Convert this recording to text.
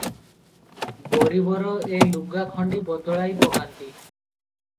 ଗରିବର ଏ ଲୁଗାଖଣ୍ଡି ବଦଳାଇ ପକାନ୍ତୁ ।"